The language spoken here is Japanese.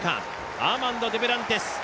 アーマンド・デュプランティス